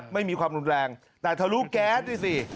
ไม่มีความรุนแรงแต่ถ้ารู้แก๊สด้วยสิ